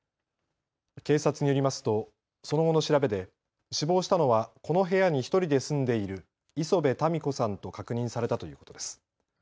警察によりますとその後の調べで死亡したのはこの部屋に１人で住んでいる礒邊たみ子さんと確認されたということです。